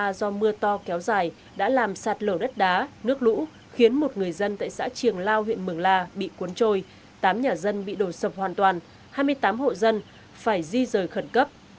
mưa đá do mưa to kéo dài đã làm sạt lở đất đá nước lũ khiến một người dân tại xã triềng lao huyện mường la bị cuốn trôi tám nhà dân bị đổ sập hoàn toàn hai mươi tám hộ dân phải di rời khẩn cấp